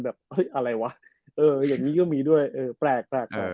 แบบอะไรวะเหมือนกันอย่างนี้ก็มีด้วยเนี่ยแปลก